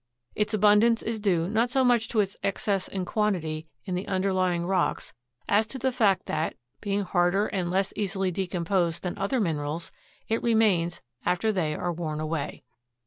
Its abundance is due not so much to its excess in quantity in the underlying rocks as to the fact that, being harder and less easily decomposed than other minerals, it remains after they are worn away.